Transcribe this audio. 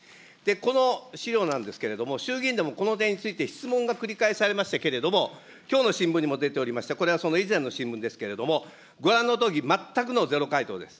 この資料なんですけれども、衆議院でもこの点について質問が繰り返されましたけれども、きょうの新聞にも出ておりました、これはその以前の新聞ですけれども、ご覧のとおり、全くのゼロ回答です。